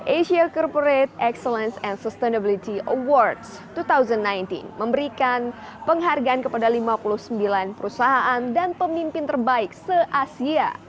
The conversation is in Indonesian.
asia corporate excellence and sustainability awards dua ribu sembilan belas memberikan penghargaan kepada lima puluh sembilan perusahaan dan pemimpin terbaik se asia